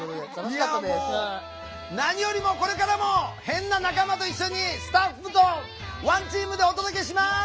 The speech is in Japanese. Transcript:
何よりもこれからも変な仲間と一緒にスタッフとワンチームでお届けします！